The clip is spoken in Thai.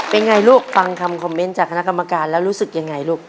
เป็นไงลูกฟังคำคอมเม้นต์จากคคคคแล้วรู้สึกยังไงลูก